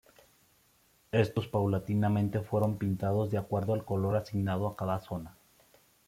Estos paulatinamente fueron pintados de acuerdo al color asignado a cada zona.